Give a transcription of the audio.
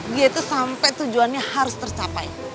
dia itu sampai tujuannya harus tercapai